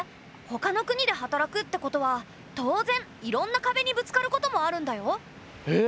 ほかの国で働くってことは当然いろんな壁にぶつかることもあるんだよ。え！？